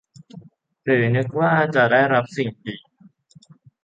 หรือนึกว่าจะได้รับสิ่งดี